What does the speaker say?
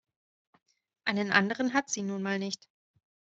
Einen anderen hat sie nun mal nicht.